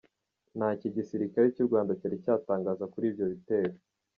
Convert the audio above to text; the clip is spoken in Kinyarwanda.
Ntacyo igisirikare cy'u Rwanda cyari cyatangaza kuri ibyo bitero.